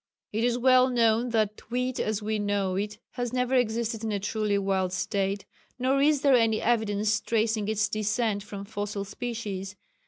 It is well known that wheat as we know it has never existed in a truly wild state, nor is there any evidence tracing its descent from fossil species.